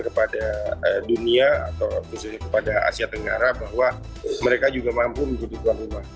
kepada dunia atau khususnya kepada asia tenggara bahwa mereka juga mampu menjadi tuan rumah